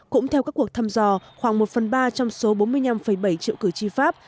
cũng theo các cuộc thăm dò khoảng một phần ba trong số bốn mươi năm bảy triệu cử tri pháp